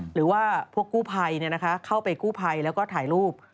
หรือว่าพวกกู้ภัยเข้าไปกู้ภัยแล้วก็ถ่ายรูป